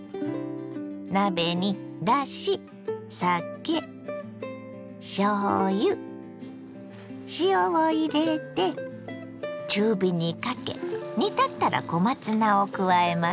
鍋にだし酒しょうゆ塩を入れて中火にかけ煮立ったら小松菜を加えます。